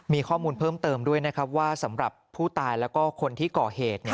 มีข้อมูลเพิ่มเติมด้วยนะครับว่าสำหรับผู้ตายแล้วก็คนที่ก่อเหตุ